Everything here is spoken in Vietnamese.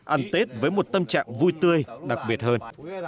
ăn tết với một tâm trạng vui tươi đặc biệt hơn